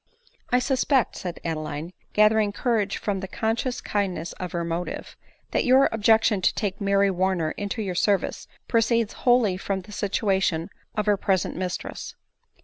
" I suspect," said Adeline, (gathering courage from the conscious kindness of her motive,) that your objection to take Mary Warner into your service proceeds wholly from the situation of her present mistress."